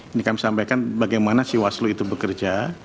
ini kami sampaikan bagaimana si waslu itu bekerja